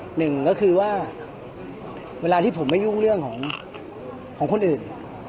หนึ่งก็คือว่าเวลาที่ผมไม่ยุ่งเรื่องของคนอื่น